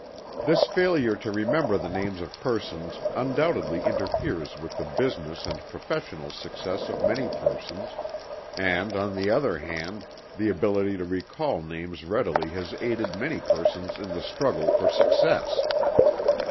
This failure to remember the names of persons undoubtedly interferes with the business and professional success of many persons; and, on the other hand, the ability to recall names readily has aided many persons in the struggle for success.